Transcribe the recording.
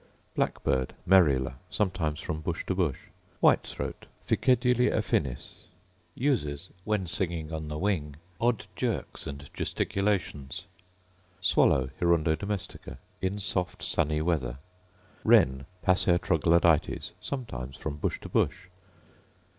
Blackbird, Merula: Sometimes from bush to bush. White throat, Ficedulae affinis: Uses when singing on the wing odd jerks and gesticulations. Swallow, Hirundo domestica: In soft sunny weather. Wren, Passer troglodytes: Sometimes from bush to bush.